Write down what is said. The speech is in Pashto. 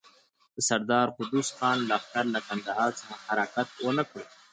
د سردار قدوس خان لښکر له کندهار څخه حرکت ونه کړ.